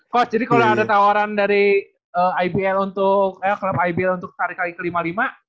coach jadi kalau ada tawaran dari ibl untuk klub ibl untuk tarik lagi ke lima puluh lima